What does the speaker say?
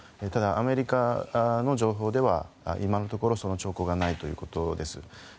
ただ、アメリカの情報では今のところその兆候がないということです。